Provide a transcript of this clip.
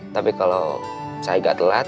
tapi kalau saya gak telat